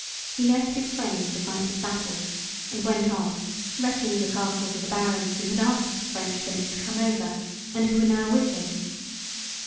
He left his friends to fight his battles, and went off, wrecking the castles of the barons who had asked the French Prince to come over, and who were now with him.